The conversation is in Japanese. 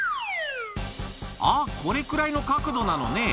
あっ、これくらいの角度なのね。